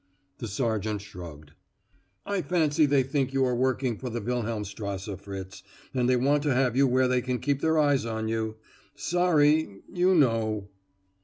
The sergeant shrugged. "I fancy they think you are working for the Wilhelmstrasse, Fritz, and they want to have you where they can keep their eyes on you. Sorry, you know."